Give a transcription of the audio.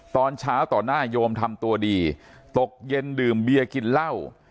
ตอนเช้าต่อหน้าโยมทำตัวดีตกเย็นดื่มเบียร์กินเหล้า